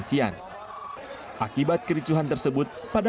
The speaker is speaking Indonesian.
sudah lewat sudah langsung